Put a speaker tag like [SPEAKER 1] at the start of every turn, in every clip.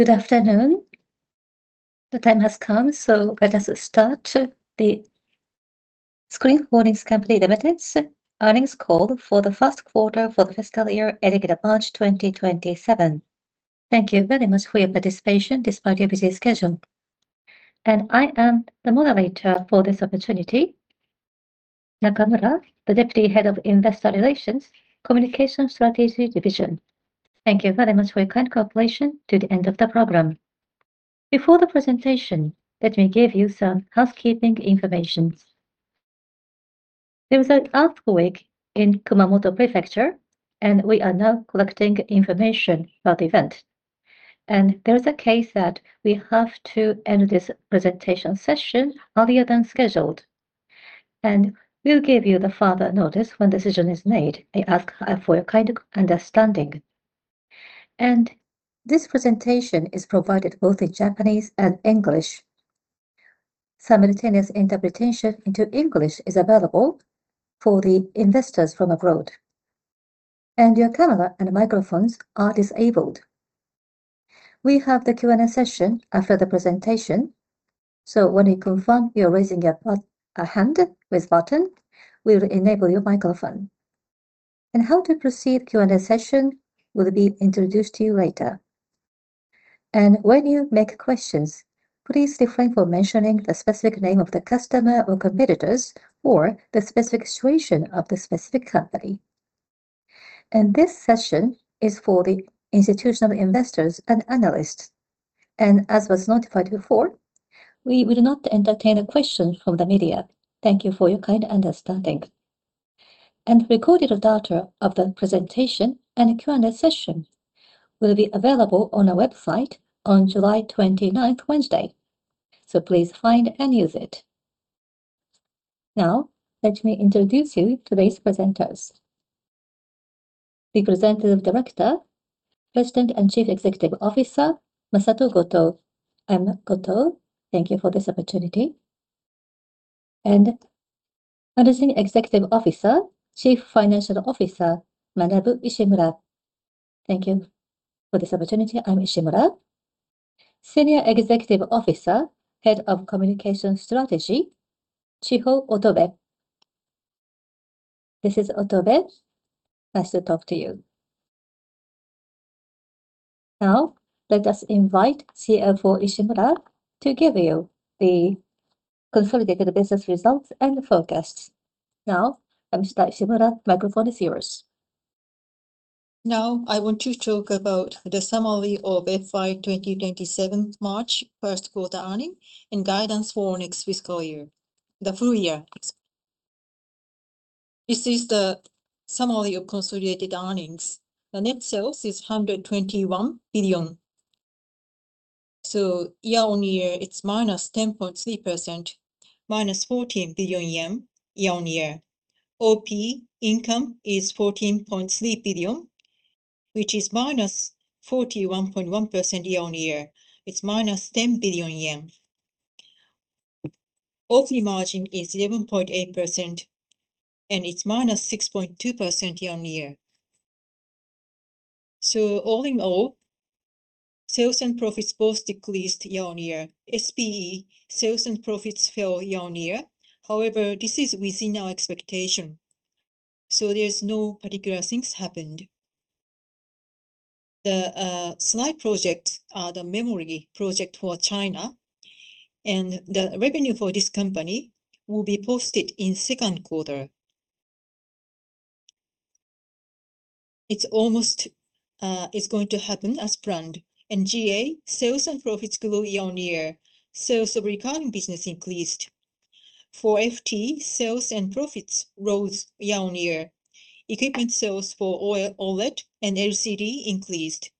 [SPEAKER 1] Good afternoon. The time has come, so let us start the SCREEN Holdings Co., Ltd.'s earnings call for the first quarter for the fiscal year ending March 2027. Thank you very much for your participation despite your busy schedule. I am the moderator for this opportunity, Nakamura, the Deputy Head of Investor Relations, Communication Strategy Division. Thank you very much for your kind cooperation to the end of the program. Before the presentation, let me give you some housekeeping information. There was an earthquake in Kumamoto Prefecture, and we are now collecting information about the event. There is a case that we have to end this presentation session earlier than scheduled. We'll give you the further notice when a decision is made. I ask for your kind understanding. This presentation is provided both in Japanese and English. Simultaneous interpretation into English is available for the investors from abroad. Your camera and microphones are disabled. We have the Q&A session after the presentation, so when we confirm you're raising a hand with button, we'll enable your microphone. How to proceed Q&A session will be introduced to you later. When you make questions, please refrain from mentioning the specific name of the customer or competitors, or the specific situation of the specific company. This session is for the institutional investors and analysts. As was notified before, we will not entertain a question from the media. Thank you for your kind understanding. Recorded data of the presentation and Q&A session will be available on our website on July 29th, Wednesday. Please find and use it. Now, let me introduce you today's presenters. The Representative Director, President and Chief Executive Officer, Masato Goto.
[SPEAKER 2] I'm Goto. Thank you for this opportunity.
[SPEAKER 1] Managing Executive Officer, Chief Financial Officer, Manabu Ishimura.
[SPEAKER 3] Thank you for this opportunity. I'm Ishimura.
[SPEAKER 1] Senior Executive Officer, Head of Communication Strategy, Chiho Otobe.
[SPEAKER 4] This is Otobe. Nice to talk to you.
[SPEAKER 1] Let us invite CFO Ishimura to give you the consolidated business results and forecasts. Mr. Ishimura, microphone is yours.
[SPEAKER 3] I want to talk about the summary of FY 2027 March first quarter earnings, and guidance for next fiscal year, the full year. This is the summary of consolidated earnings. The net sales is 121 billion. year-on-year, it's -10.3%, -14 billion yen year-on-year. OP income is 14.3 billion, which is -41.1% year-on-year. It's -10 billion yen. OP margin is 11.8%, and it's -6.2% year-on-year. All in all, sales and profits both decreased year-on-year. SPE sales and profits fell year-on-year. However, this is within our expectation, so there's no particular things happened. The slide project, the memory project for China, and the revenue for this company will be posted in second quarter. It's going to happen as planned. GA, sales and profits grew year-on-year. Sales of recurring business increased. For FT, sales and profits rose year-on-year. Equipment sales for OLED and LCD increased.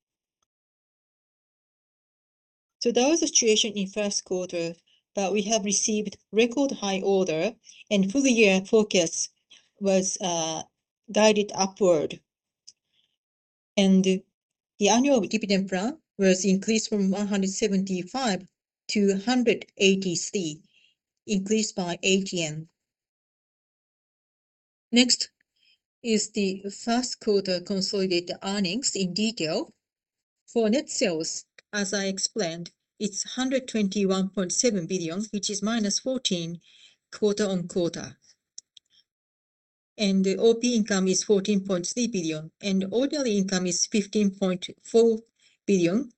[SPEAKER 3] That was the situation in first quarter, but we have received record high order, and full year forecast was guided upward. The annual dividend plan was increased from 175-183, increased by 8 yen. Next is the first quarter consolidated earnings in detail. For net sales, as I explained, it's 121.7 billion, which is -14 billion quarter-on-quarter. The OP income is 14.3 billion, and ordinary income is 15.4 billion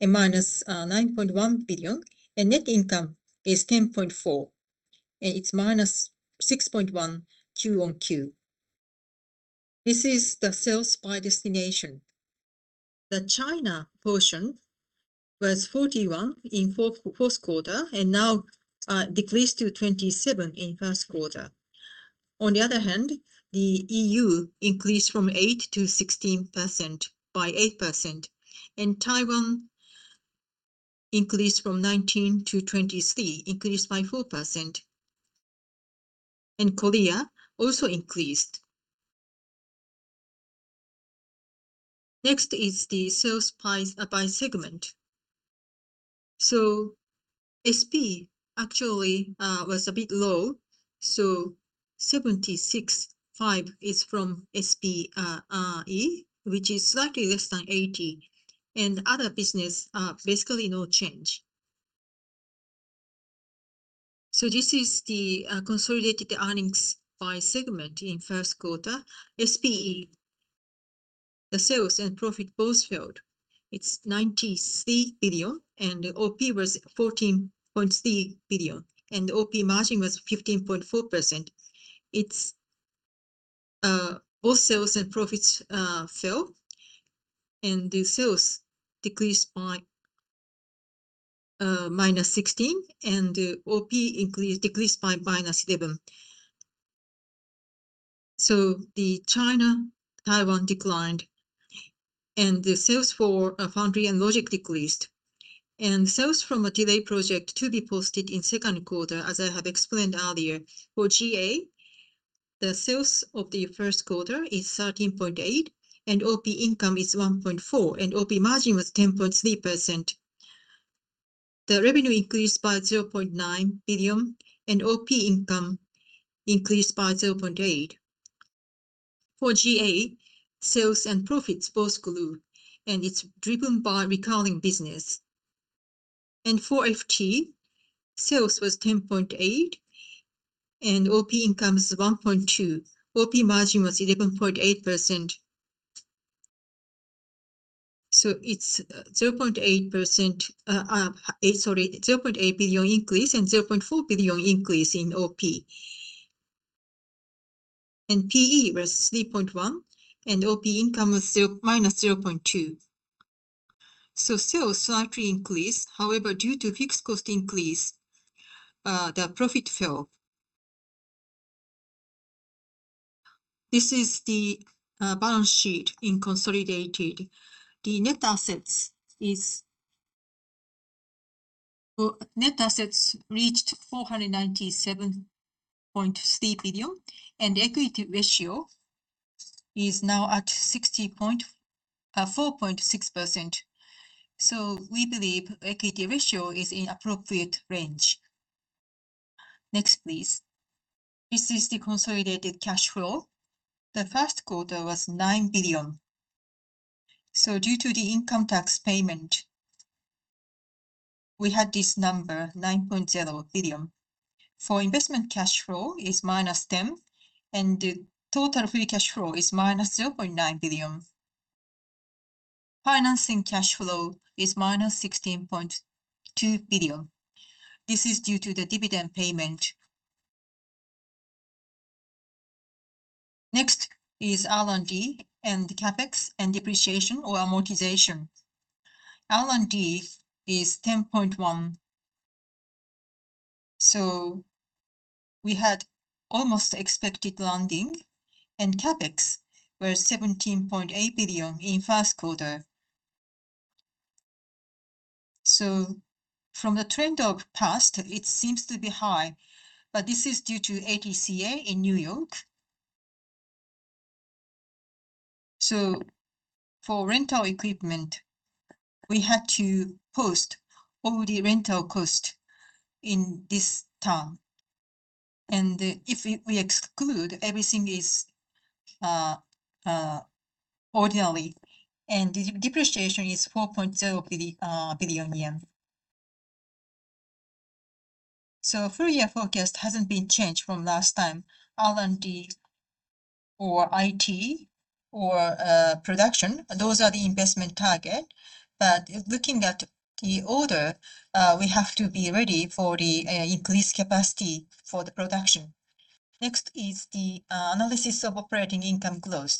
[SPEAKER 3] and -9.1 billion. Net income is 10.4 billion, and it's -6.1 billion Q-on-Q. This is the sales by destination. The China portion was 41% in first quarter, and now decreased to 27% in first quarter. On the other hand, the EU increased from 8%-16%, by 8%. Taiwan increased from 19% to 23%, increased by 4%. Korea also increased. Next is the sales price by segment. SPE actually was a bit low. 76.5% is from SPE, which is slightly less than 80%, and other business, basically no change. This is the consolidated earnings by segment in first quarter. SPE, the sales and profit both fell. It's 93 billion, and the OP was 14.3 billion, and the OP margin was 15.4%. Both sales and profits fell, and the sales decreased by -16%, and the OP decreased by -7%. The China/Taiwan declined, and the sales for foundry and logic decreased. Sales from a delay project to be posted in second quarter, as I have explained earlier. For GA, the sales of the first quarter is 13.8 billion, and OP income is 1.4 billion, and OP margin was 10.3%. The revenue increased by 0.9 billion, and OP income increased by 0.8 billion. For GA, sales and profits both grew, and it is driven by recurring business. For FT, sales was 10.8 billion and OP income is 1.2 billion, OP margin was 11.8%. It is a 0.8 billion increase and 0.4 billion increase in OP. PE was 3.1 billion, and OP income was -0.2 billion. Sales slightly increased, however, due to fixed cost increase, the profit fell. This is the balance sheet in consolidated. The net assets reached 497.3 billion, and equity ratio is now at 4.6%. We believe equity ratio is in appropriate range. Next, please. This is the consolidated cash flow. The first quarter was 9 billion. Due to the income tax payment, we had this number, 9.0 billion. Investment cash flow is -10 billion, and the total free cash flow is -0.9 billion. Financing cash flow is -16.2 billion. This is due to the dividend payment. Next is R&D and CapEx and depreciation or amortization. R&D is 10.1 billion, we had almost expected landing. CapEx was 17.8 billion in first quarter. From the trend of past, it seems to be high, but this is due to ATCA in New York. For rental equipment, we had to post all the rental cost in this term, and if we exclude, everything is ordinary. The depreciation is 4.0 billion yen. Full year forecast has not been changed from last time. R&D or IT or production, those are the investment target. Looking at the order, we have to be ready for the increased capacity for the production. Next is the analysis of operating income growth.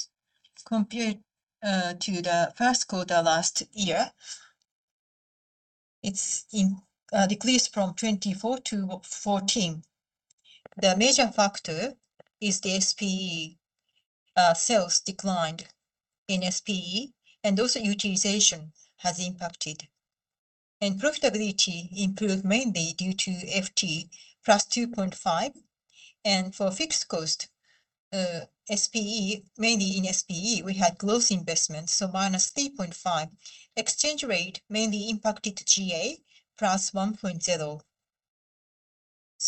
[SPEAKER 3] Compared to the first quarter last year, it is decreased from 24 billion to 14 billion. The major factor is the SPE sales declined in SPE, and also utilization has impacted. Profitability improved mainly due to FT, +2.5 billion. For fixed cost, mainly in SPE, we had growth investments, -3.5 billion. Exchange rate mainly impacted GA, +1.0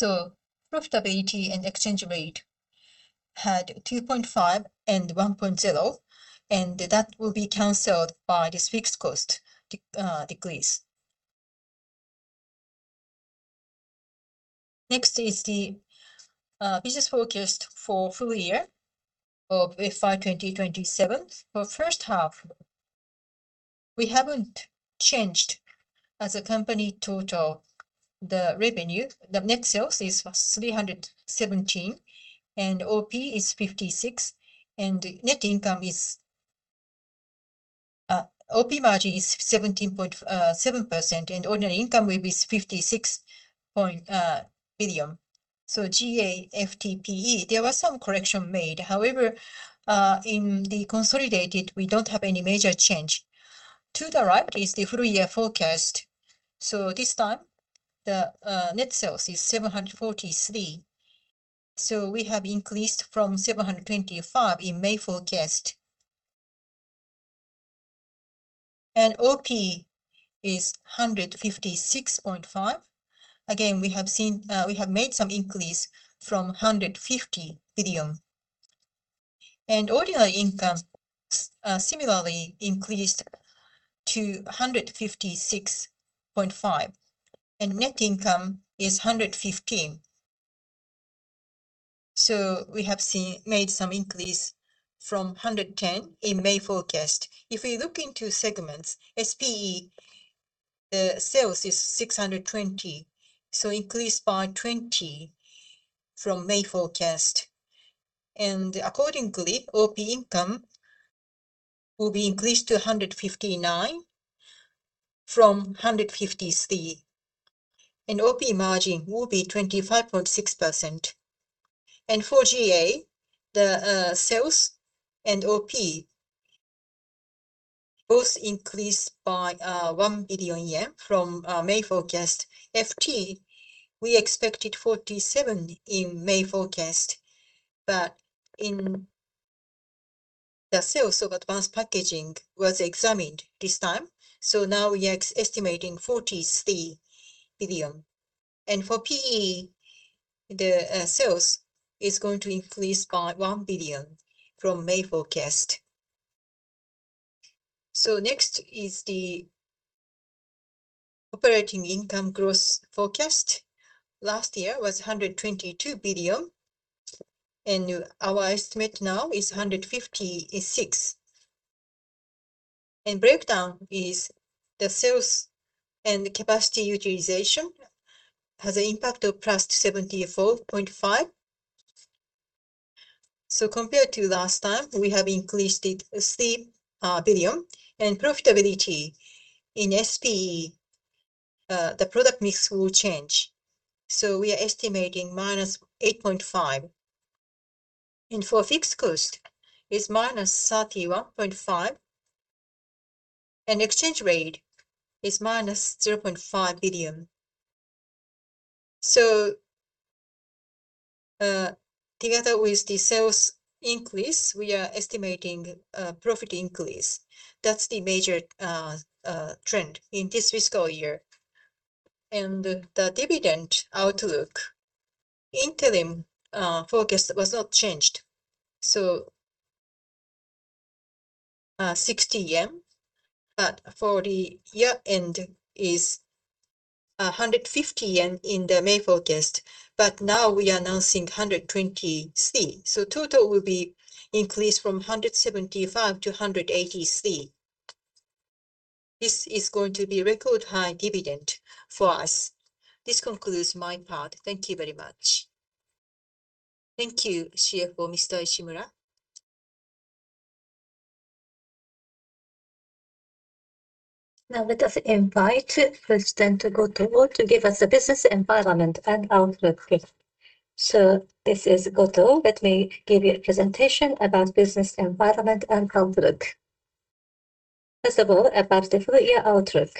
[SPEAKER 3] billion. Profitability and exchange rate had 2.5 billion and 1.0 billion, and that will be canceled by this fixed cost decrease. Next is the business forecast for full year of FY 2027. For first half, we have not changed as a company total. The revenue, the net sales is 317 billion, OP is 56 billion, and the OP margin is 17.7%. Ordinary income will be 56 billion. GA, FT, PE, there was some correction made, however, in the consolidated, we do not have any major change. To the right is the full year forecast. This time, the net sales is 743 billion. We have increased from 725 billion in May forecast. OP is 156.5 billion. Again, we have made some increase from 150 billion. Ordinary income similarly increased to 156.5 billion, and net income is 115 billion. We have made some increase from 110 billion in May forecast. If we look into segments, SPE sales is 620 billion, increased by 20 billion from May forecast. Accordingly, OP income will be increased to 159 billion from 153 billion, and OP margin will be 25.6%. For GA, the sales and OP both increased by 1 billion yen from our May forecast. FT, we expected 47 billion in May forecast, but the sales of advanced packaging was examined this time, now we are estimating 43 billion. For PE, the sales is going to increase by 1 billion from May forecast. Next is the operating income growth forecast. Last year was 122 billion, our estimate now is 156 billion. Breakdown is the sales and capacity utilization has an impact of +74.5. Compared to last time, we have increased it 3 billion. Profitability, in SPE, the product mix will change, so we are estimating -8.5. For fixed cost, it's -31.5, and exchange rate is -3.5 billion. Together with the sales increase, we are estimating a profit increase. That's the major trend in this fiscal year. The dividend outlook interim forecast was not changed. 60 yen. For the year-end is 150 yen in the May forecast, but now we are announcing 123. Total will be increased from 175-183. This is going to be record high dividend for us. This concludes my part. Thank you very much.
[SPEAKER 1] Thank you, CFO Mr. Ishimura. Now let us invite President Goto to give us the business environment and outlook.
[SPEAKER 2] This is Goto. Let me give you a presentation about business environment and outlook. First of all, about the full year outlook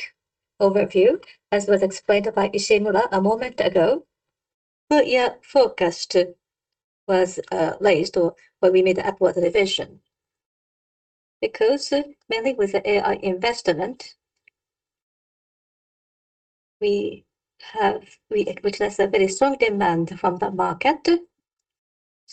[SPEAKER 2] overview, as was explained by Ishimura a moment ago, full year forecast was raised, or we made upward revision. Mainly with the AI investment, we witnessed a very strong demand from the market.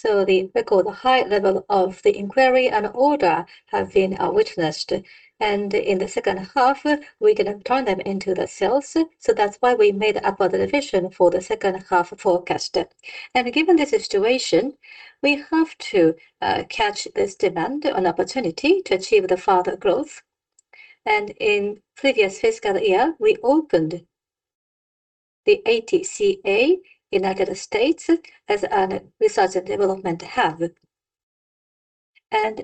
[SPEAKER 2] The record high level of the inquiry and order have been witnessed, and in the second half, we're going to turn them into the sales. That's why we made upward revision for the second half forecast. Given the situation, we have to catch this demand and opportunity to achieve the further growth. In previous fiscal year, we opened the ATCA U.S. as an research and development hub.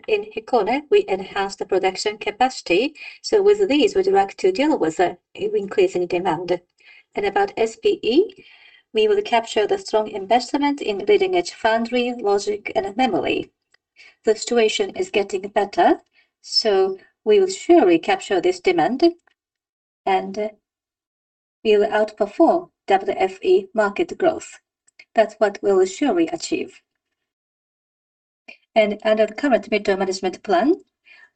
[SPEAKER 2] In Hikone, we enhanced the production capacity. With these, we would like to deal with the increasing demand. About SPE, we will capture the strong investment in leading-edge foundry, logic, and memory. The situation is getting better, so we will surely capture this demand, and we will outperform WFE market growth. That's what we will surely achieve. Under the current mid-term management plan,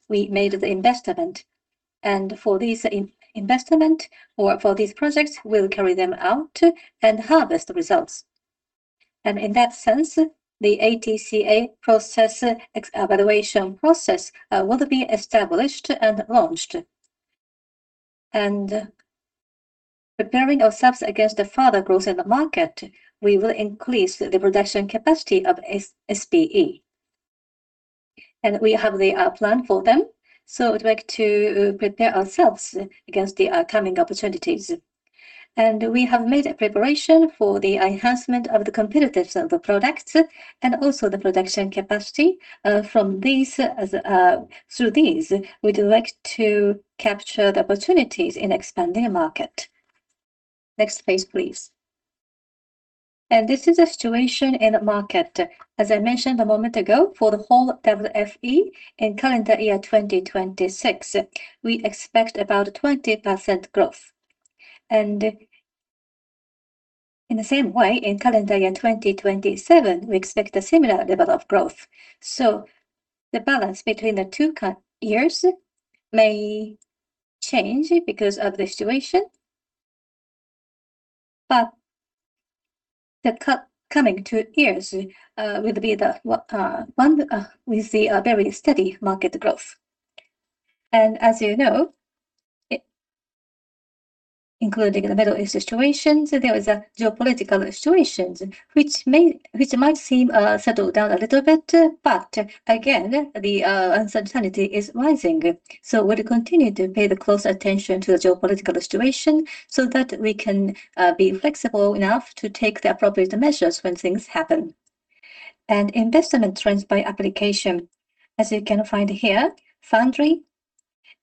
[SPEAKER 2] we made the investment. For this investment or for these projects, we'll carry them out and harvest the results. In that sense, the ATCA evaluation process will be established and launched. Preparing ourselves against the further growth in the market, we will increase the production capacity of SPE. We have the plan for them, so we would like to prepare ourselves against the upcoming opportunities. We have made a preparation for the enhancement of the competitiveness of the products and also the production capacity. Through these, we would like to capture the opportunities in expanding the market. Next slide, please. This is the situation in the market. As I mentioned a moment ago, for the whole WFE in calendar year 2026, we expect about 20% growth. In the same way, in calendar year 2027, we expect a similar level of growth. The balance between the two years may change because of the situation. The coming two years will be the one we see a very steady market growth. As you know, including the Middle East situation, there is a geopolitical situation, which might seem settled down a little bit, but again, the uncertainty is rising. We'll continue to pay close attention to the geopolitical situation so that we can be flexible enough to take the appropriate measures when things happen. Investment trends by application. As you can find here, foundry,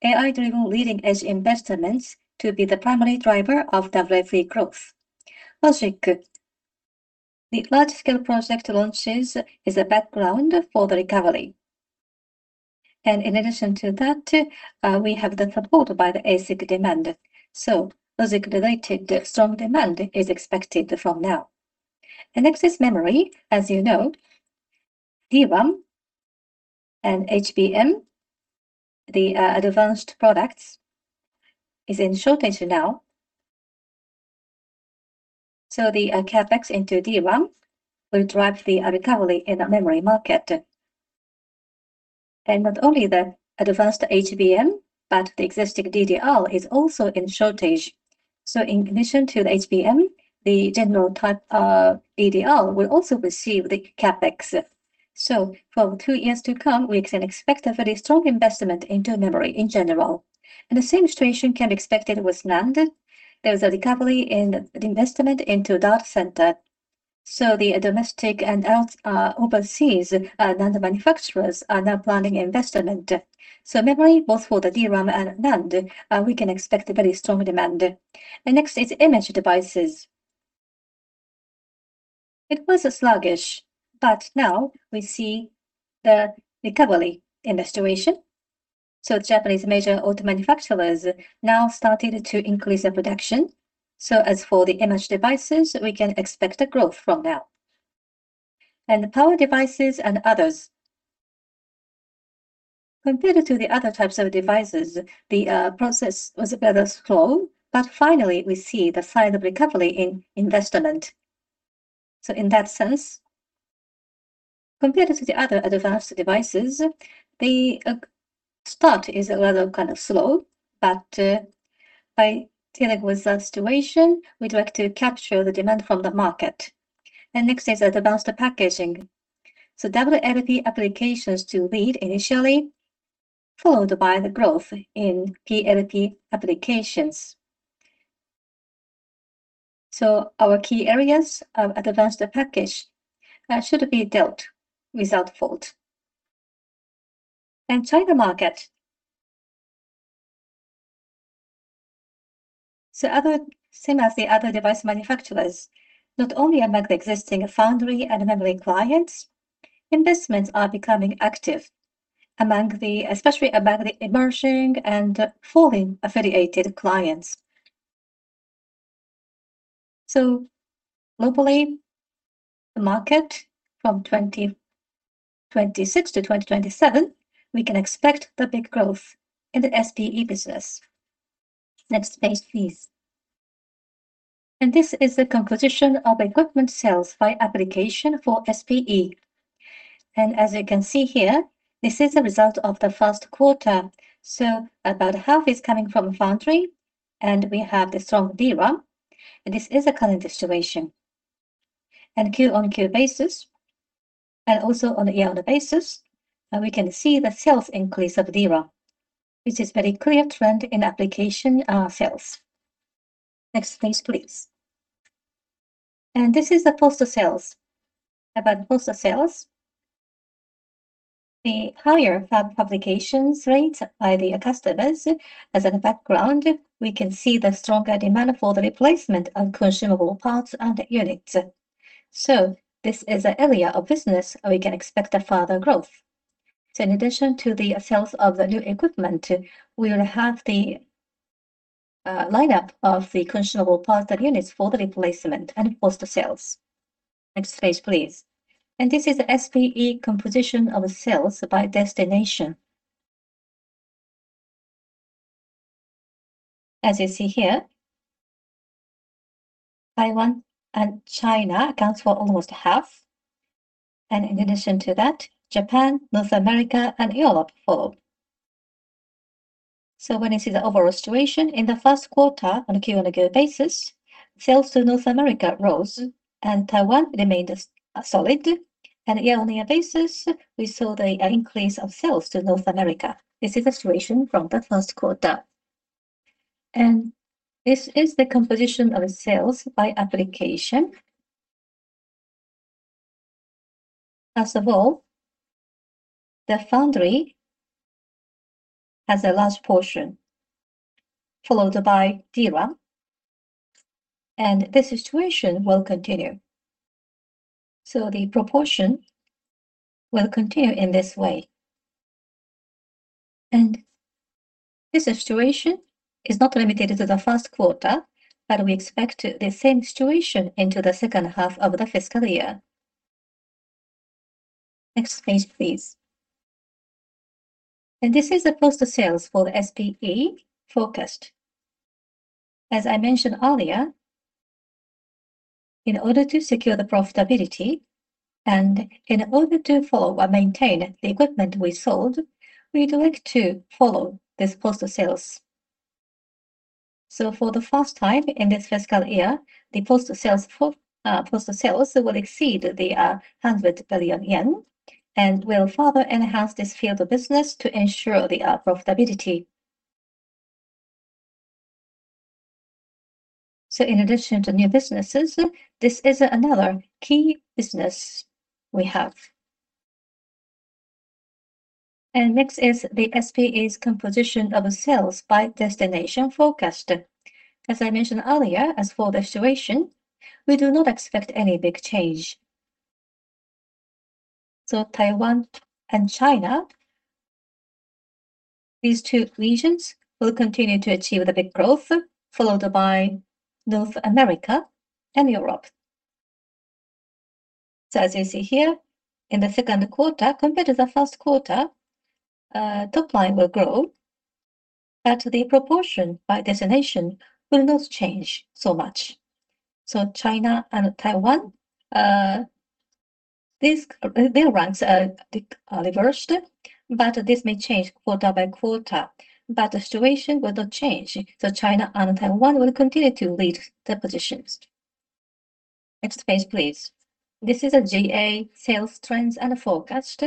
[SPEAKER 2] AI-driven leading edge investments to be the primary driver of WFE growth. Logic. The large scale project launches is a background for the recovery. In addition to that, we have the support by the AI side demand. Logic related strong demand is expected from now. Next is memory. As you know, DRAM and HBM, the advanced products, is in shortage now. The CapEx into DRAM will drive the recovery in the memory market. Not only the advanced HBM, but the existing DDR is also in shortage. In addition to the HBM, the general type of DDR will also receive the CapEx. For two years to come, we can expect a very strong investment into memory in general. The same situation can be expected with NAND. There's a recovery in investment into data center. The domestic and overseas NAND manufacturers are now planning investment. Memory, both for the DRAM and NAND, we can expect a very strong demand. The next is image devices. It was sluggish, but now we see the recovery in the situation. Japanese major auto manufacturers now started to increase their production. As for the image devices, we can expect a growth from now. Power devices and others. Compared to the other types of devices, the process was a bit slow, but finally, we see the sign of recovery in investment. In that sense, compared to the other advanced devices, the start is rather kind of slow. By dealing with that situation, we'd like to capture the demand from the market. Next is advanced packaging. WLP applications to lead initially, followed by the growth in PLP applications. Our key areas of advanced package should be dealt without fault. China market. Same as the other device manufacturers, not only among the existing foundry and memory clients, investments are becoming active, especially among the emerging and foreign-affiliated clients. Globally, the market from 2026-2027, we can expect the big growth in the SPE business. Next page, please. This is the composition of equipment sales by application for SPE. As you can see here, this is a result of the first quarter. About half is coming from foundry, and we have the strong DRAM. This is the current situation. Q-on-Q basis, and also on the year-on-year basis, we can see the sales increase of DRAM, which is very clear trend in application sales. Next slide, please. This is the post-sales. About post-sales, the higher fab applications rate by the customers. As a background, we can see the stronger demand for the replacement of consumable parts and units. This is an area of business we can expect a further growth. In addition to the sales of the new equipment, we'll have the lineup of the consumable parts and units for the replacement and post-sales. Next page, please. This is SPE composition of sales by destination. As you see here, Taiwan and China accounts for almost half. In addition to that, Japan, North America, and Europe follow. When you see the overall situation, in the first quarter, on a quarter-over-quarter basis, sales to North America rose and Taiwan remained solid. Year-on-year basis, we saw the increase of sales to North America. This is the situation from the first quarter. This is the composition of sales by application. First of all, the foundry has a large portion, followed by DRAM, and this situation will continue. The proportion will continue in this way. This situation is not limited to the first quarter, but we expect the same situation into the second half of the fiscal year. Next page, please. This is the post-sales for the SPE forecast. As I mentioned earlier, in order to secure the profitability and in order to follow or maintain the equipment we sold, we'd like to follow this post-sales. For the first time in this fiscal year, the post-sales will exceed 100 billion yen and will further enhance this field of business to ensure the profitability. In addition to new businesses, this is another key business we have. Next is the SPE's composition of sales by destination forecast. As I mentioned earlier, as for the situation, we do not expect any big change. Taiwan and China, these two regions will continue to achieve the big growth, followed by North America and Europe. As you see here, in the second quarter compared to the first quarter, top line will grow, but the proportion by destination will not change so much. China and Taiwan their ranks reversed, but this may change quarter-by-quarter, but the situation will not change. China and Taiwan will continue to lead the positions. Next page, please. This is a GA sales trends and forecast.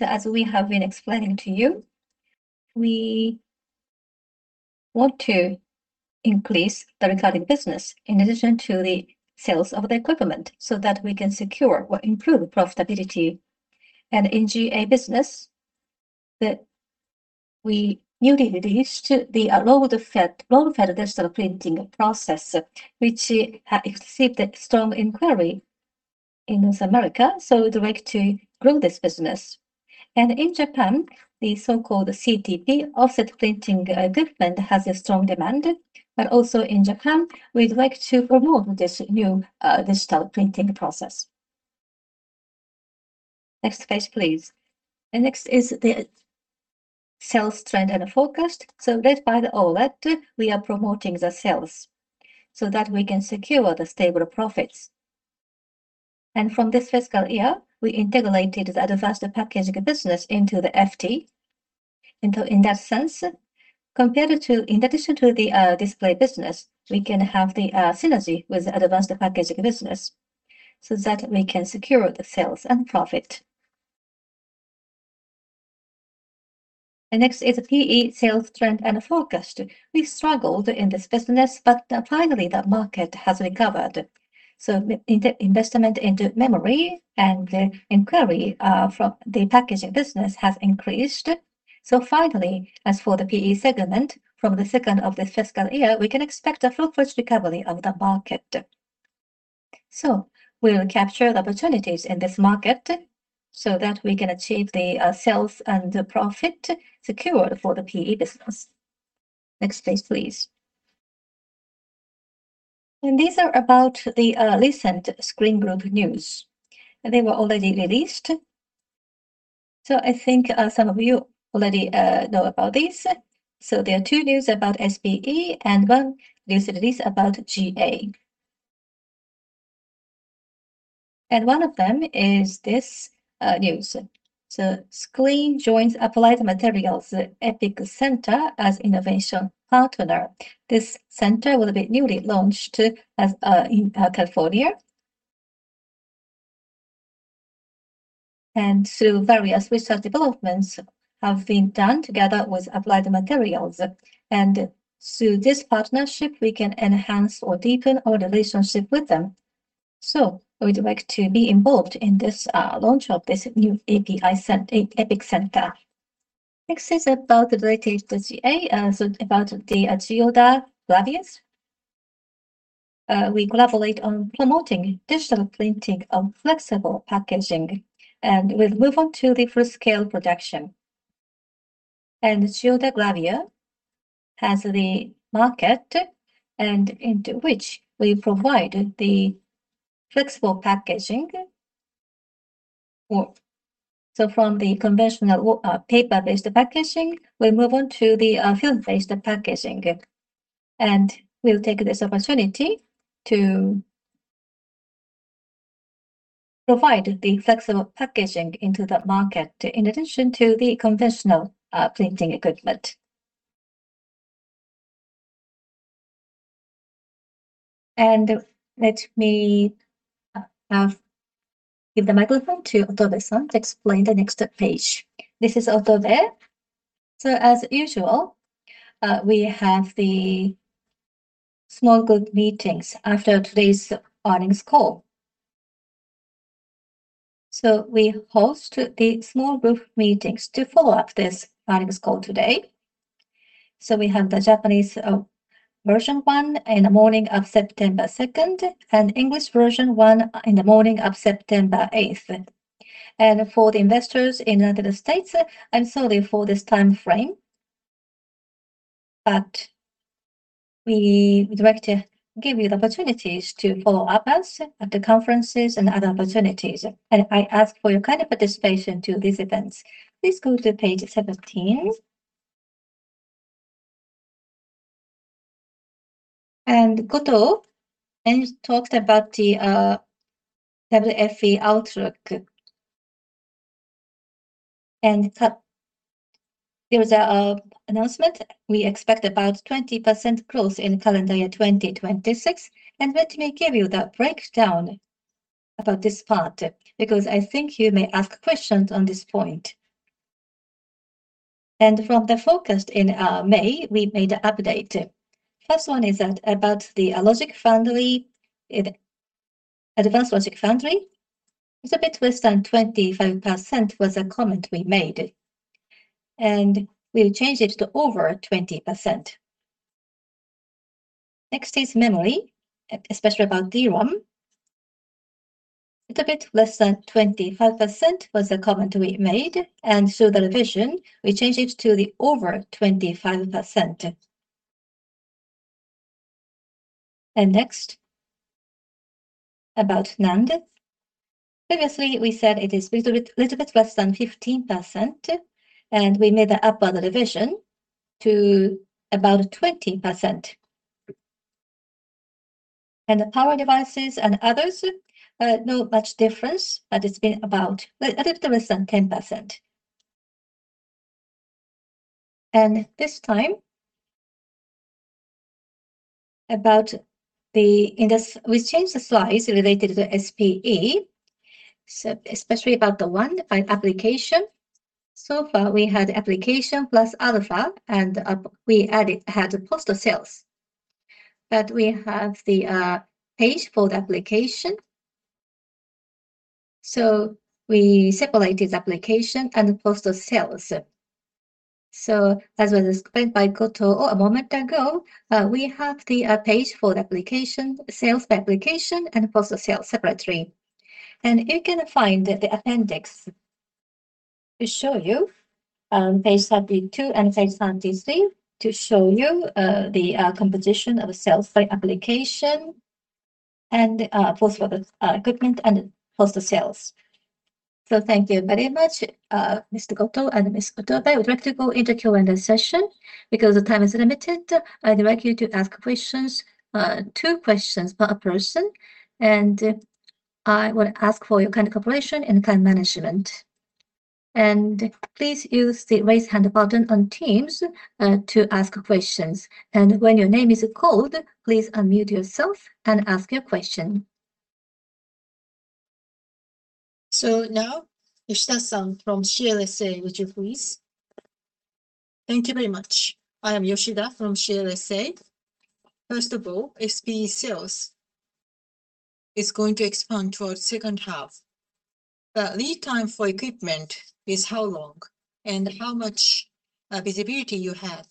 [SPEAKER 2] As we have been explaining to you, we want to increase the recurring business in addition to the sales of the equipment, so that we can secure or improve profitability. In GA business, we newly released the roll-fed digital printing press, which received a strong inquiry in North America, so we would like to grow this business. In Japan, the so-called CTP offset printing equipment has a strong demand. Also in Japan, we'd like to promote this new digital printing press. Next page, please. Next is the sales trend and forecast. Led by the OLED, we are promoting the sales so that we can secure the stable profits. From this fiscal year, we integrated the advanced packaging business into the FT. In that sense, compared to in addition to the display business, we can have the synergy with advanced packaging business so that we can secure the sales and profit. Next is PE sales trend and forecast. We struggled in this business, but finally, the market has recovered. Investment into memory and the inquiry from the packaging business has increased. Finally, as for the PE segment, from the second half of this fiscal year, we can expect a full recovery of the market. We will capture the opportunities in this market so that we can achieve the sales and profit secured for the PE business. Next page, please. These are about the recent SCREEN Group news. They were already released, so I think some of you already know about this. There are two news about SPE and one news release about GA. One of them is this news. SCREEN joins Applied Materials EPIC Center as innovation partner. This center will be newly launched in California. Various research developments have been done together with Applied Materials, and through this partnership, we can enhance or deepen our relationship with them. We would like to be involved in this launch of this new EPIC Center. Next is about related to GA, about the Chiyoda Gravure. We collaborate on promoting digital printing on flexible packaging, and we'll move on to the full scale production. Chiyoda Gravure has the market and into which we provide the flexible packaging. From the conventional paper-based packaging, we move on to the film-based packaging, and we'll take this opportunity to provide the flexible packaging into the market in addition to the conventional printing equipment. Let me now give the microphone to Otobe-san to explain the next page.
[SPEAKER 4] This is Otobe. As usual, we have the small group meetings after today's earnings call. We host the small group meetings to follow up this earnings call today. We have the Japanese version one in the morning of September 2nd, and English version one in the morning of September 8th. For the investors in U.S., I'm sorry for this time frame, but we would like to give you the opportunities to follow up us at the conferences and other opportunities. I ask for your kind participation to these events. Please go to page 17. Goto talked about the WFE outlook. There was an announcement, we expect about 20% growth in calendar year 2026. Let me give you the breakdown about this part, because I think you may ask questions on this point. From the forecast in May, we made an update. First one is about the advanced logic foundry. "It's a bit less than 25%," was a comment we made, and we changed it to over 20%. Next is memory, especially about DRAM. "It's a bit less than 25%," was a comment we made. The revision, we changed it to over 25%. Next, about NAND. Previously, we said it is little bit less than 15%, and we made an upward revision to about 20%. The power devices and others, not much difference, but it's been about a little bit less than 10%. This time, we changed the slides related to SPE, especially about the one by application. So far, we had application plus other fab, and we had post-sales. We have the page for the application, so we separate it, application and post-sales. As was explained by Goto a moment ago, we have the page for sales by application and post-sales separately. You can find the appendix to show you, page 32 and page 33, to show you the composition of sales by application, and post for the equipment and post-sales.
[SPEAKER 1] Thank you very much, Mr. Goto and Ms. Otobe. I would like to go into Q&A session. Because the time is limited, I direct you to ask two questions per person, and I would ask for your kind cooperation and time management. Please use the raise hand button on Teams to ask questions. When your name is called, please unmute yourself and ask your question. Now, Yu from CLSA. Would you please?
[SPEAKER 5] Thank you very much. I am Yu from CLSA. First of all, SPE sales is going to expand towards second half. Lead time for equipment is how long, and how much visibility you have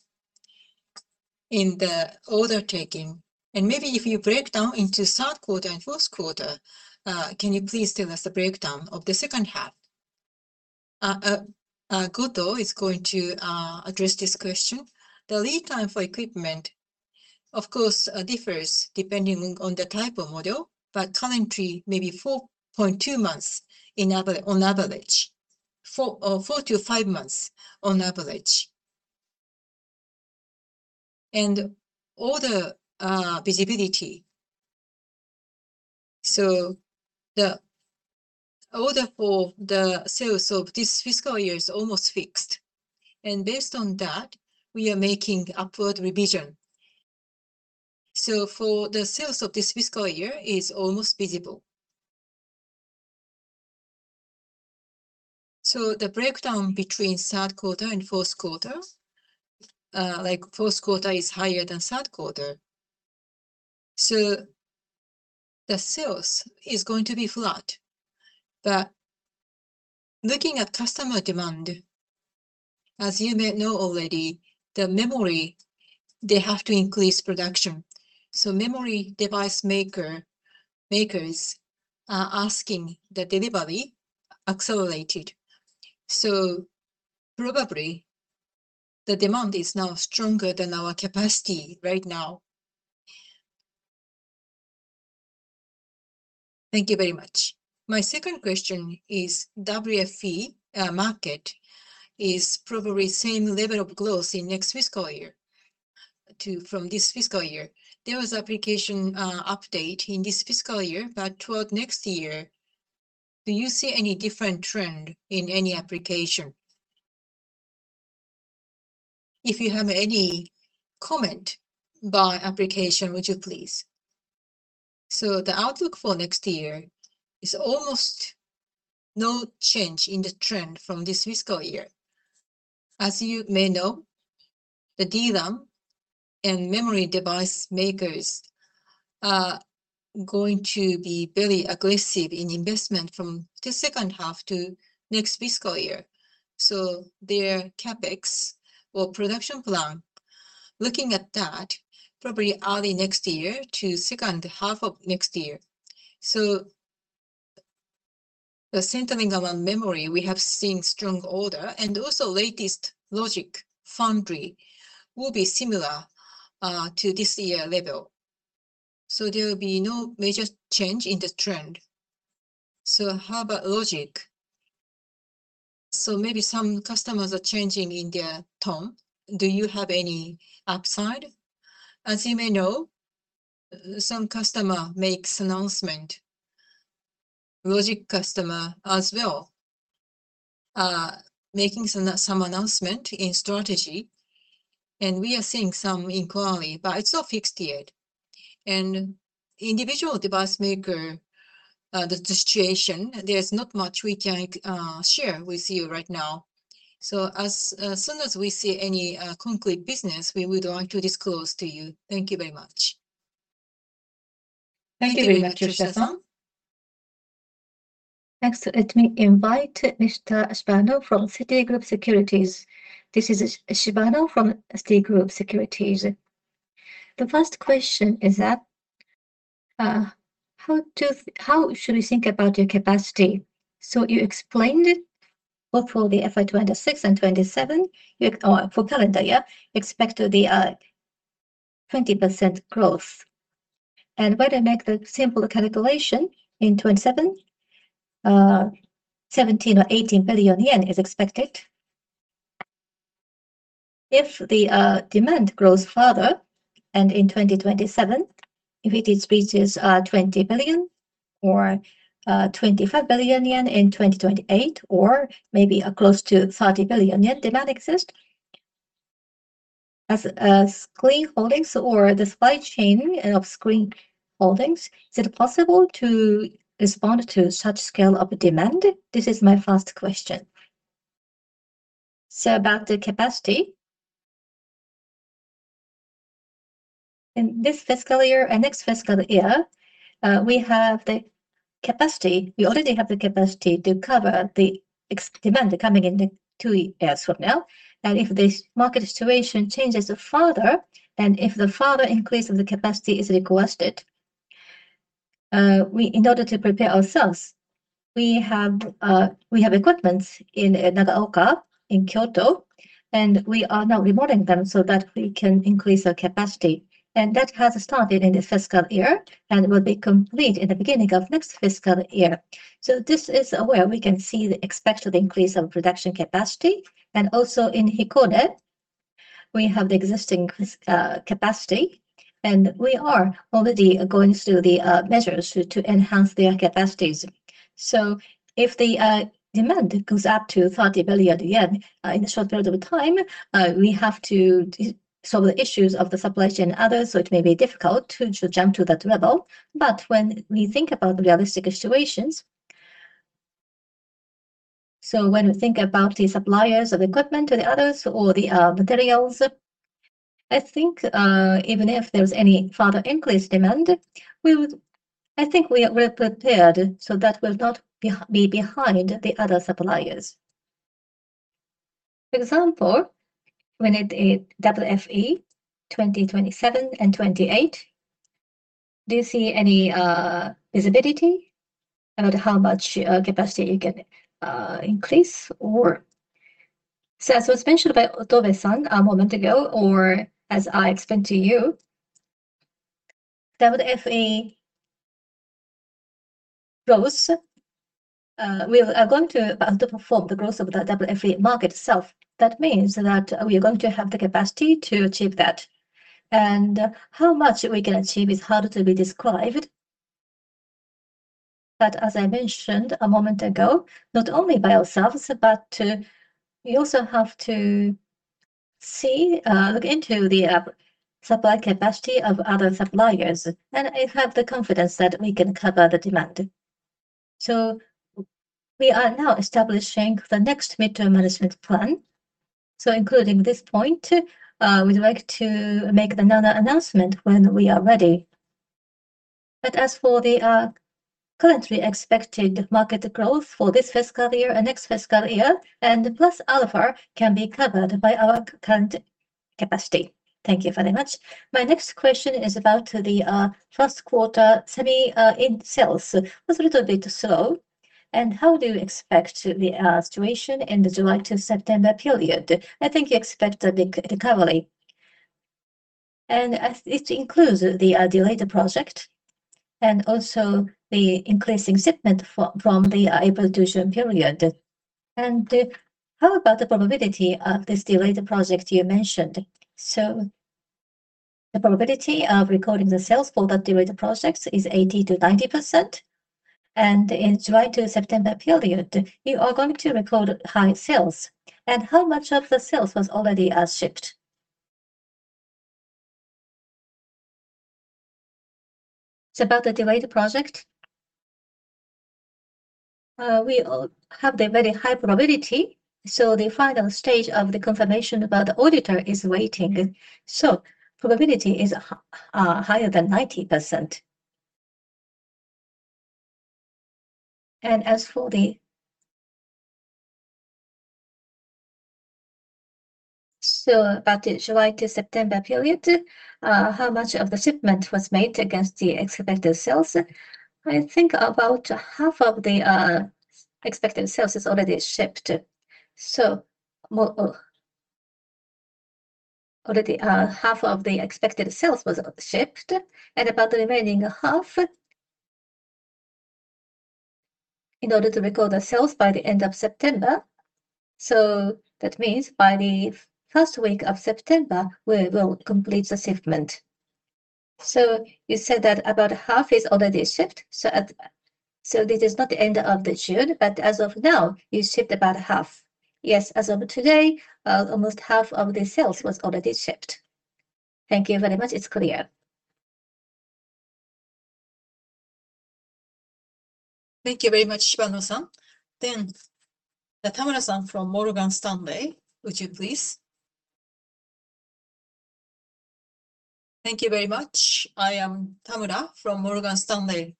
[SPEAKER 5] in the order taking? Maybe if you break down into third quarter and fourth quarter, can you please tell us the breakdown of the second half?
[SPEAKER 1] Goto is going to address this question.
[SPEAKER 2] The lead time for equipment, of course, differs depending on the type of model, but currently maybe 4.2 months on average. Four to five months on average. Order visibility. The order for the sales of this fiscal year is almost fixed. Based on that, we are making upward revision. For the sales of this fiscal year is almost visible. The breakdown between third quarter and fourth quarter, fourth quarter is higher than third quarter. The sales is going to be flat. Looking at customer demand, as you may know already, the memory, they have to increase production. Memory device makers are asking the delivery accelerated. Probably the demand is now stronger than our capacity right now.
[SPEAKER 5] Thank you very much. My second question is, WFE market is probably same level of growth in next fiscal year from this fiscal year. There was application update in this fiscal year, toward next year, do you see any different trend in any application? If you have any comment by application, would you please?
[SPEAKER 2] The outlook for next year is almost no change in the trend from this fiscal year. As you may know, the DRAM and memory device makers are going to be very aggressive in investment from the second half to next fiscal year. Their CapEx or production plan, looking at that, probably early next year to second half of next year. The centering around memory, we have seen strong order, and also latest logic foundry will be similar to this year level. There will be no major change in the trend.
[SPEAKER 5] How about logic? Maybe some customers are changing in their tone. Do you have any upside?
[SPEAKER 2] As you may know, some customer makes announcement, logic customer as well, making some announcement in strategy, and we are seeing some inquiry, but it's not fixed yet. Individual device maker, the situation, there's not much we can share with you right now. As soon as we see any concrete business, we would like to disclose to you.
[SPEAKER 5] Thank you very much.
[SPEAKER 1] Thank you very much, Tsuchiya-san. Next, let me invite Mr. Shibano from Citigroup Securities.
[SPEAKER 6] This is Shibano from Citigroup Securities. The first question is that, how should we think about your capacity? You explained it, but for the FY 2026 and 2027, for calendar year, expect the 20% growth. When I make the simple calculation in 2027, 17 billion or 18 billion yen is expected. If the demand grows further and in 2027, if it reaches 20 billion or 25 billion yen in 2028, or maybe close to 30 billion yen demand exist, as SCREEN Holdings or the supply chain of SCREEN Holdings, is it possible to respond to such scale of demand? This is my first question.
[SPEAKER 2] About the capacity, in this fiscal year and next fiscal year, we already have the capacity to cover the demand coming in the two years from now. If the market situation changes further, and if the further increase of the capacity is requested, in order to prepare ourselves, we have equipments in Nagaoka, in Kyoto, and we are now remodeling them so that we can increase our capacity. That has started in this fiscal year and will be complete in the beginning of next fiscal year. This is where we can see the expected increase of production capacity. Also in Hikone, we have the existing capacity, and we are already going through the measures to enhance their capacities. If the demand goes up to 30 billion yen in a short period of time, we have to solve the issues of the supply chain others, it may be difficult to jump to that level. When we think about realistic situations, when we think about the suppliers of equipment or the others or the materials, I think even if there's any further increase demand, I think we are prepared so that we'll not be behind the other suppliers.
[SPEAKER 6] For example, when it hit WFE 2027 and 2028, do you see any visibility about how much capacity you can increase or?
[SPEAKER 2] As mentioned by Otobe-san a moment ago, or as I explained to you, WFE growth, we are going to outperform the growth of the WFE market itself. That means that we are going to have the capacity to achieve that. How much we can achieve is hard to be described. As I mentioned a moment ago, not only by ourselves, but we also have to look into the supply capacity of other suppliers, and I have the confidence that we can cover the demand. We are now establishing the next midterm management plan. Including this point, we'd like to make another announcement when we are ready. As for the currently expected market growth for this fiscal year and next fiscal year, and plus alpha can be covered by our current capacity.
[SPEAKER 6] Thank you very much. My next question is about the first quarter semi sales. Was a little bit slow, and how do you expect the situation in the July to September period? I think you expect a big recovery. It includes the delayed project and also the increasing shipment from the April to June period. How about the probability of this delayed project you mentioned? The probability of recording the sales for that delayed project is 80%-90%, and in July to September period, you are going to record high sales. How much of the sales was already shipped?
[SPEAKER 2] It's about the delayed project. We have the very high probability, the final stage of the confirmation about the auditor is waiting. Probability is higher than 90%. About the July to September period, how much of the shipment was made against the expected sales? I think about half of the expected sales is already shipped. Already half of the expected sales was shipped, and about the remaining half, in order to record the sales by the end of September, that means by the first week of September, we will complete the shipment.
[SPEAKER 6] You said that about half is already shipped, this is not the end of the June, but as of now, you shipped about half?
[SPEAKER 2] Yes, as of today, almost half of the sales was already shipped.
[SPEAKER 6] Thank you very much. It's clear.
[SPEAKER 1] Thank you very much, Masahiro-san. Suzune-san from Morgan Stanley, would you please?
[SPEAKER 7] Thank you very much. I am [Suzune] from Morgan Stanley.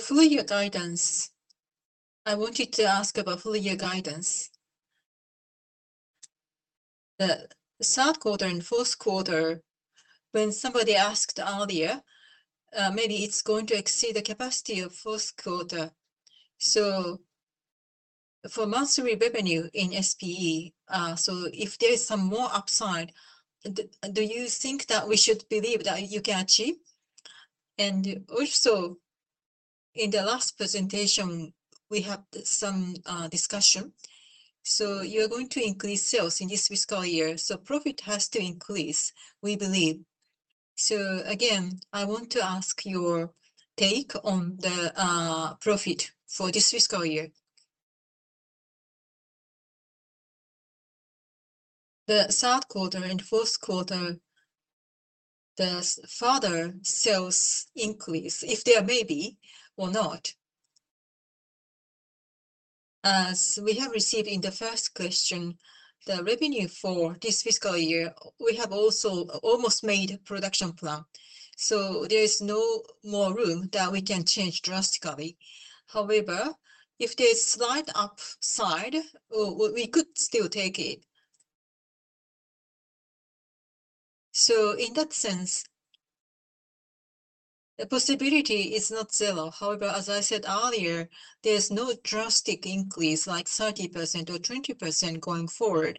[SPEAKER 7] Full year guidance. I wanted to ask about full year guidance. The third quarter and fourth quarter, when somebody asked earlier, maybe it is going to exceed the capacity of fourth quarter. For monthly revenue in SPE, if there is some more upside, do you think that we should believe that you can achieve? And also, in the last presentation, we have some discussion. You are going to increase sales in this fiscal year, profit has to increase, we believe. Again, I want to ask your take on the profit for this fiscal year. The third quarter and fourth quarter, the further sales increase, if there may be or not.
[SPEAKER 2] As we have received in the first question, the revenue for this fiscal year, we have also almost made production plan. There is no more room that we can change drastically. However, if there is slight upside, we could still take it. In that sense, the possibility is not zero. However, as I said earlier, there is no drastic increase, like 30% or 20% going forward.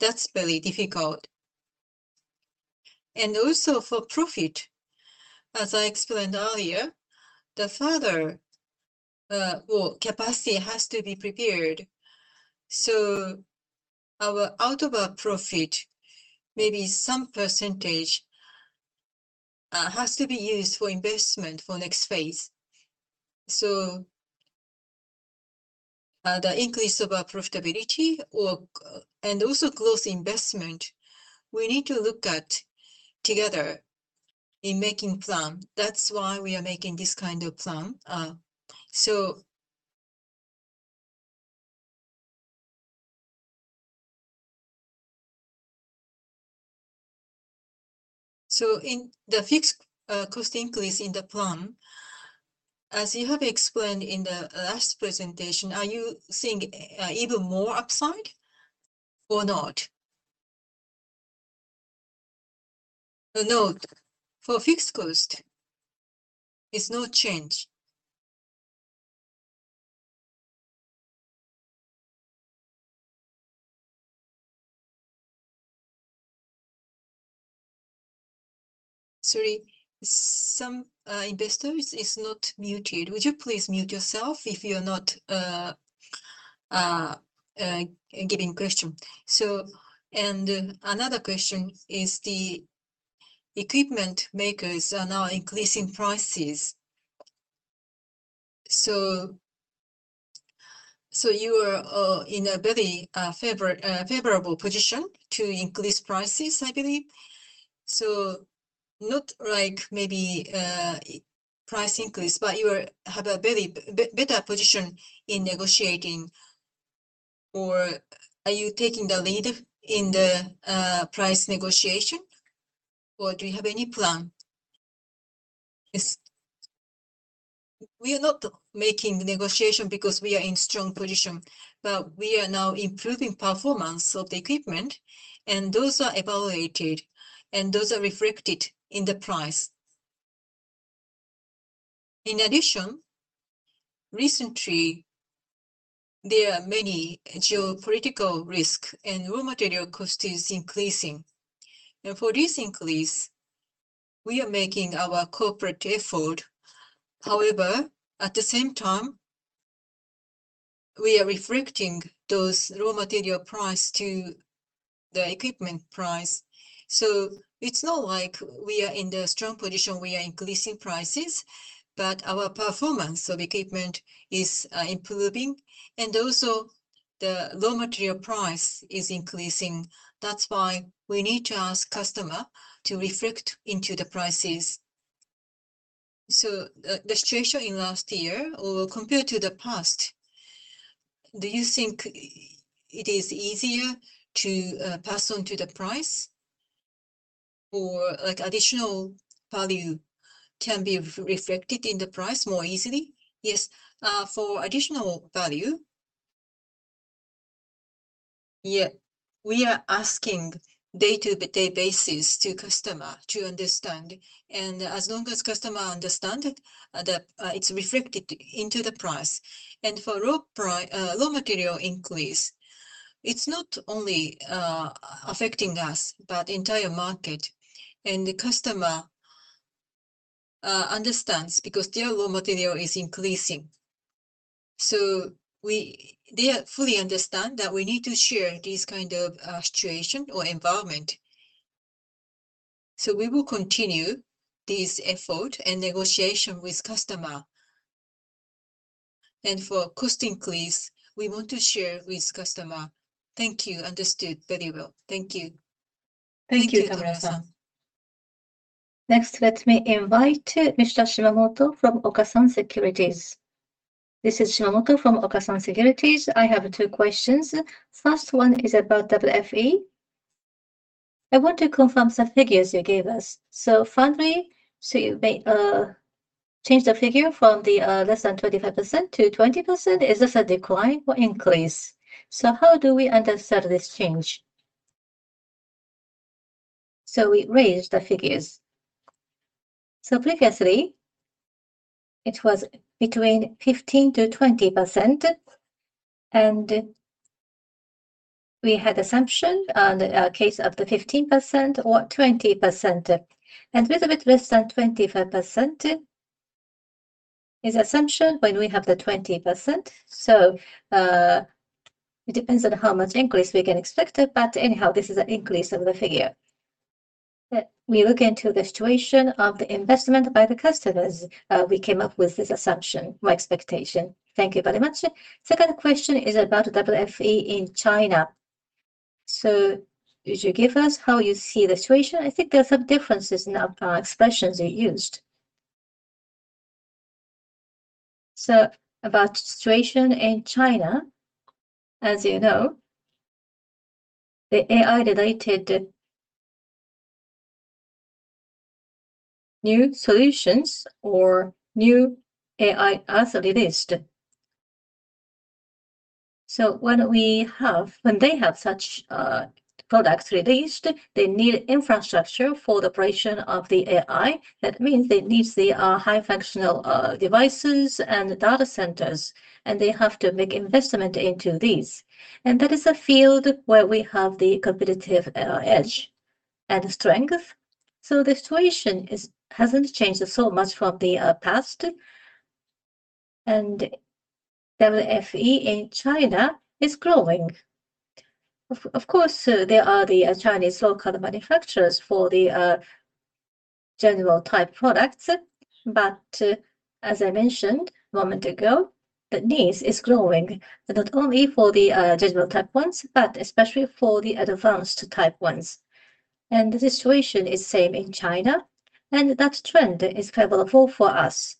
[SPEAKER 2] That is very difficult. Also for profit, as I explained earlier, the further capacity has to be prepared. Our out of our profit, maybe some %, has to be used for investment for next phase. The increase of our profitability, also growth investment, we need to look at together in making plan. That is why we are making this kind of plan.
[SPEAKER 7] In the fixed cost increase in the plan, as you have explained in the last presentation, are you seeing even more upside or not?
[SPEAKER 2] No. For fixed cost, it is no change.
[SPEAKER 7] Sorry, some investors are not muted. Would you please mute yourself if you are not giving a question. Another question is the equipment makers are now increasing prices. You are in a very favorable position to increase prices, I believe. Not like maybe price increase, but you have a better position in negotiating. Are you taking the lead in the price negotiation, or do you have any plan?
[SPEAKER 2] We are not making negotiation because we are in a strong position, but we are now improving performance of the equipment, and those are evaluated, and those are reflected in the price. In addition, recently, there are many geopolitical risks and raw material cost is increasing. For this increase, we are making our corporate effort. However, at the same time, we are reflecting those raw material price to the equipment price. It is not like we are in the strong position, we are increasing prices, but our performance of equipment is improving. The raw material price is increasing. That is why we need to ask customer to reflect into the prices.
[SPEAKER 7] The situation in last year or compared to the past, do you think it is easier to pass on to the price? Additional value can be reflected in the price more easily?
[SPEAKER 2] Yes. For additional value, we are asking day-to-day basis to customer to understand. As long as customer understands it, that it is reflected into the price. For raw material increase, it is not only affecting us, but entire market, and the customer understands because their raw material is increasing. They fully understand that we need to share this kind of situation or environment. We will continue this effort and negotiation with customer. For cost increase, we want to share with customer.
[SPEAKER 7] Thank you. Understood very well. Thank you.
[SPEAKER 2] Thank you.
[SPEAKER 1] Thank you, Tamara-san. Next, let me invite Mr. Takashi from Okasan Securities.
[SPEAKER 8] This is Takashi from Okasan Securities. I have two questions. First one is about WFE. I want to confirm some figures you gave us. Finally, you may change the figure from the less than 25% to 20%. Is this a decline or increase? How do we understand this change? We raised the figures. Previously, it was between 15%-20%, and we had assumption on the case of the 15% or 20%. With a bit less than 25% is assumption when we have the 20%. It depends on how much increase we can expect, but anyhow, this is an increase of the figure. We look into the situation of the investment by the customers. We came up with this assumption or expectation. Thank you very much. Second question is about WFE in China. Could you give us how you see the situation?
[SPEAKER 2] I think there are some differences in the expressions you used. About situation in China, as you know, the AI related new solutions or new AI are released. When they have such products released, they need infrastructure for the operation of the AI. That means they need the high functional devices and data centers, and they have to make investment into these. That is a field where we have the competitive edge and strength. The situation hasn't changed so much from the past, and WFE in China is growing. Of course, there are the Chinese local manufacturers for the general type products. As I mentioned a moment ago, the need is growing, not only for the general type ones, but especially for the advanced type ones. The situation is same in China, and that trend is favorable for us.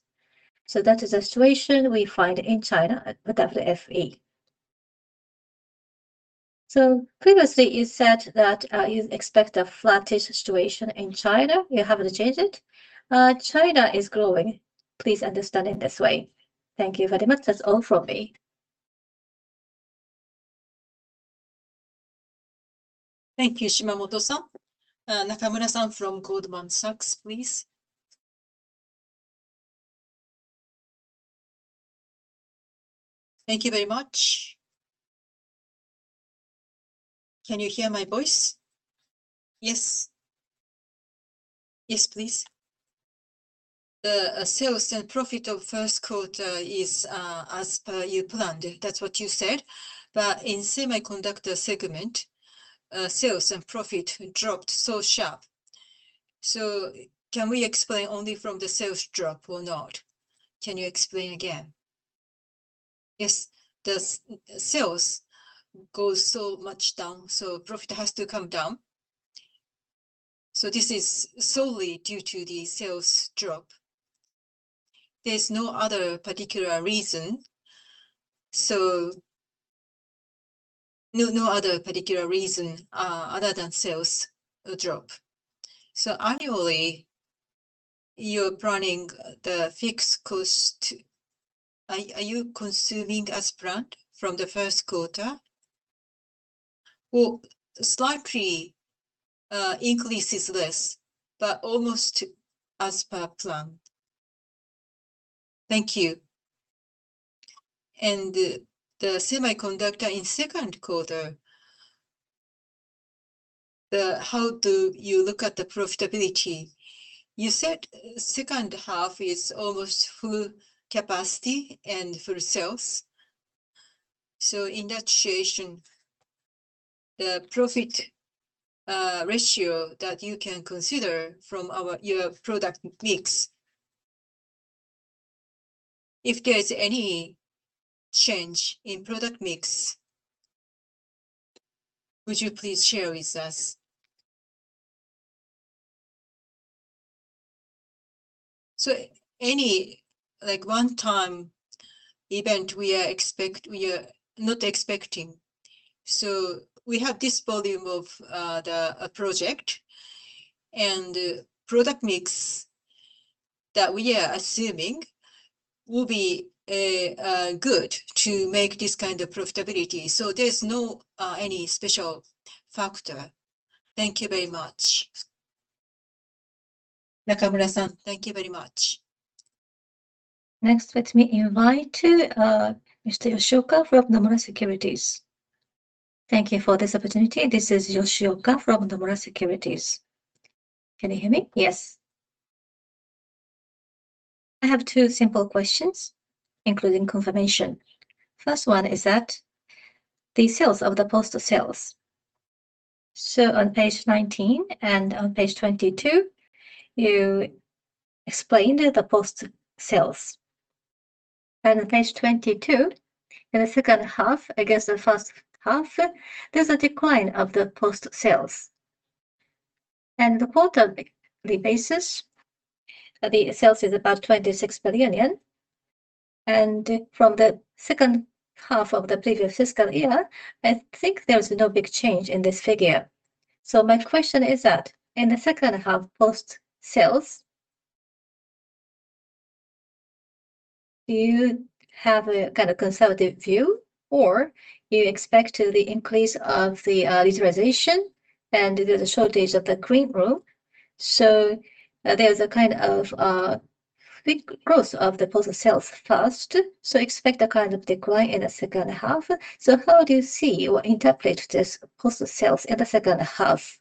[SPEAKER 2] That is the situation we find in China with WFE.
[SPEAKER 8] Previously you said that you expect a flattish situation in China. You haven't changed it?
[SPEAKER 2] China is growing. Please understand it this way.
[SPEAKER 8] Thank you very much. That's all from me.
[SPEAKER 1] Thank you, Takashi-san. Nakamura-san from Goldman Sachs, please.
[SPEAKER 9] Thank you very much. Can you hear my voice?
[SPEAKER 1] Yes. Yes, please.
[SPEAKER 9] The sales and profit of first quarter is as per you planned. That's what you said. In semiconductor segment, sales and profit dropped so sharp. Can we explain only from the sales drop or not? Can you explain again?
[SPEAKER 3] Yes. The sales goes so much down, so profit has to come down. This is solely due to the sales drop. There's no other particular reason. No other particular reason other than sales drop.
[SPEAKER 9] Annually, you're planning the fixed cost. Are you consuming as planned from the first quarter?
[SPEAKER 3] Well, slightly increase is less, but almost as per plan.
[SPEAKER 9] Thank you. The semiconductor in second quarter, how do you look at the profitability? You said second half is almost full capacity and full sales. In that situation, the profit ratio that you can consider from your product mix If there is any change in product mix, would you please share with us?
[SPEAKER 2] Any one-time event, we are not expecting. We have this volume of the project, and the product mix that we are assuming will be good to make this kind of profitability. There's no special factor.
[SPEAKER 9] Thank you very much.
[SPEAKER 1] Nakamura-san, thank you very much. Next, let me invite Mr. Atsushi from Nomura Securities.
[SPEAKER 10] Thank you for this opportunity. This is Atsushi from Nomura Securities. Can you hear me? Yes. I have two simple questions, including confirmation. First one is that the sales of the post-sales. On page 19 and on page 22, you explained the post-sales. On page 22, in the second half against the first half, there's a decline of the post-sales. On the quarterly basis, the sales is about 26 billion yen. From the second half of the previous fiscal year, I think there's no big change in this figure. My question is that in the second half post-sales, do you have a conservative view, or you expect the increase of the utilization and the shortage of the clean room? There's a big growth of the post-sales first, expect a decline in the second half. How do you see or interpret this post-sales in the second half?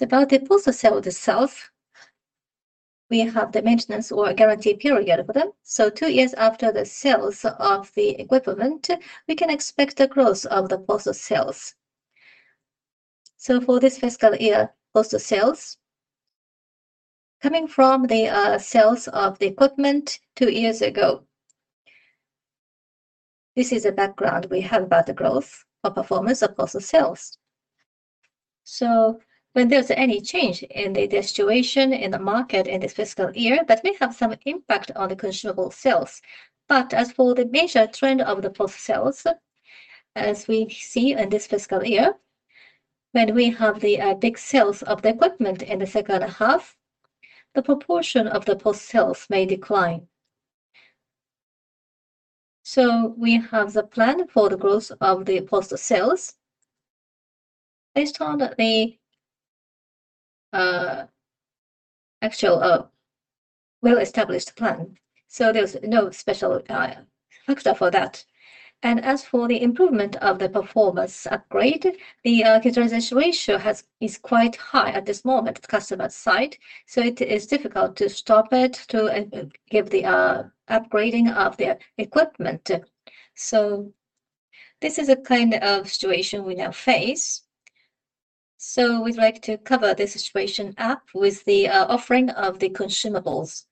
[SPEAKER 2] About the post-sales itself, we have the maintenance or guarantee period for them. Two years after the sales of the equipment, we can expect the growth of the post-sales. For this fiscal year post-sales, coming from the sales of the equipment two years ago, this is a background we have about the growth or performance of post-sales. When there's any change in the situation in the market in this fiscal year, that may have some impact on the consumable sales. As for the major trend of the post-sales, as we see in this fiscal year, when we have the big sales of the equipment in the second half, the proportion of the post-sales may decline. We have the plan for the growth of the post-sales based on the actual well-established plan. There's no special factor for that. As for the improvement of the performance upgrade, the utilization ratio is quite high at this moment at the customer site. It is difficult to stop it to give the upgrading of the equipment. This is a kind of situation we now face. We'd like to cover this situation up with the offering of the consumables.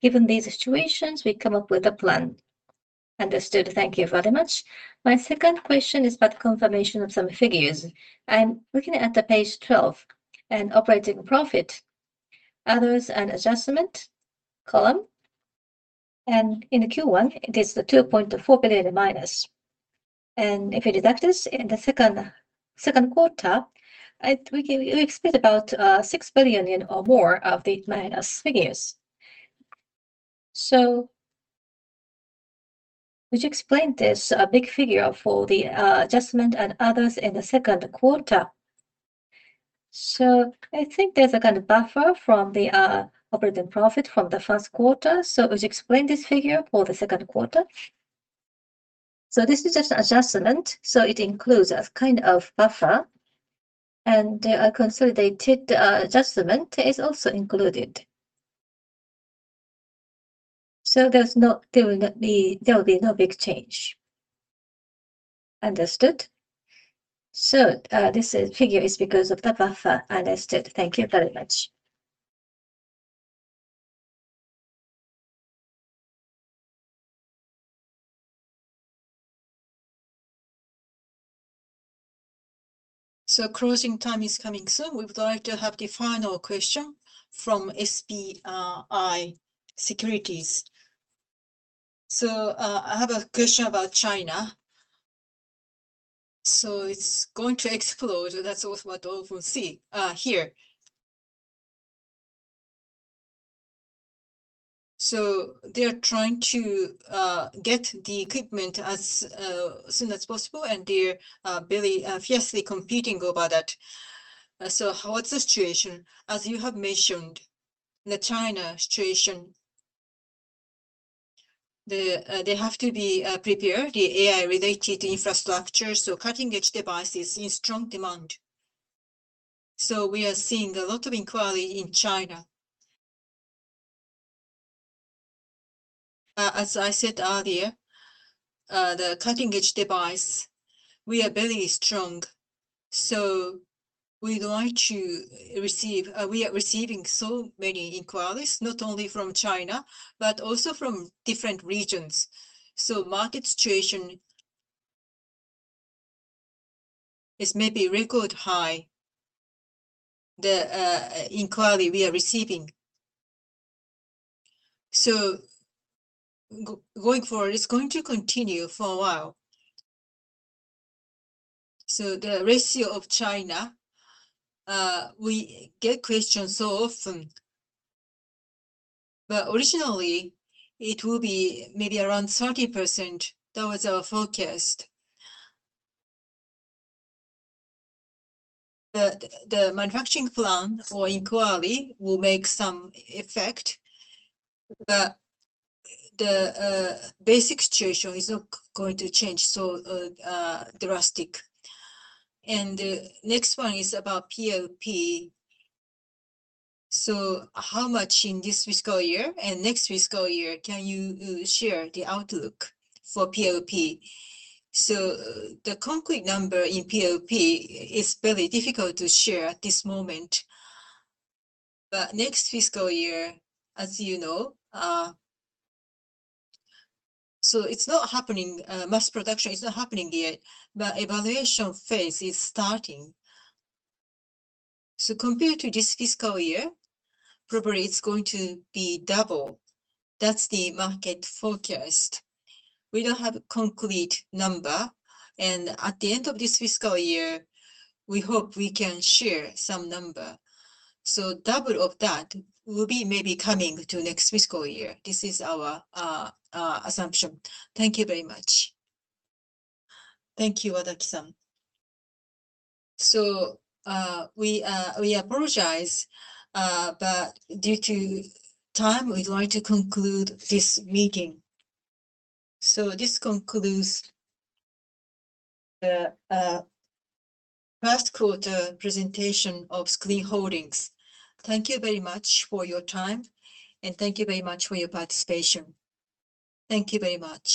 [SPEAKER 2] Given these situations, we come up with a plan.
[SPEAKER 10] Understood. Thank you very much. My second question is about confirmation of some figures. I'm looking at the page 12 in operating profit, others and adjustment column. In Q1, it is the -2.4 billion. If you deduct this in the second quarter, we expect about 6 billion or more of the minus figures. Would you explain this big figure for the adjustment and others in the second quarter? I think there's a kind of buffer from the operating profit from the first quarter. Would you explain this figure for the second quarter?
[SPEAKER 2] This is just an adjustment, so it includes a kind of buffer, and a consolidated adjustment is also included. There will be no big change.
[SPEAKER 10] Understood. This figure is because of the buffer. Understood. Thank you very much.
[SPEAKER 1] Closing time is coming soon. We would like to have the final question from SBI Securities.
[SPEAKER 11] I have a question about China. It's going to explode, that's what we see here.
[SPEAKER 2] They're trying to get the equipment as soon as possible, and they're fiercely competing over that.
[SPEAKER 11] What's the situation? As you have mentioned, the China situation, they have to be prepared, the AI-related infrastructure. Cutting-edge device is in strong demand. We are seeing a lot of inquiry in China.
[SPEAKER 2] As I said earlier, the cutting-edge device, we are very strong. We are receiving so many inquiries, not only from China but also from different regions. Market situation is maybe record high, the inquiry we are receiving. Going forward, it's going to continue for a while. The ratio of China, we get questions so often. Originally, it will be maybe around 30%. That was our forecast. The manufacturing plan or inquiry will make some effect, but the basic situation is not going to change so drastic.
[SPEAKER 11] The next one is about PoP. How much in this fiscal year and next fiscal year can you share the outlook for PoP?
[SPEAKER 2] The concrete number in PoP is very difficult to share at this moment. Next fiscal year, as you know, mass production is not happening yet, but evaluation phase is starting. Compared to this fiscal year, probably it's going to be double. That's the market forecast. We don't have a concrete number, and at the end of this fiscal year, we hope we can share some number. Double of that will be maybe coming to next fiscal year. This is our assumption.
[SPEAKER 11] Thank you very much.
[SPEAKER 2] Thank you, Adachi-san.
[SPEAKER 1] We apologize, but due to time, we'd like to conclude this meeting. This concludes the first quarter presentation of SCREEN Holdings. Thank you very much for your time, and thank you very much for your participation. Thank you very much.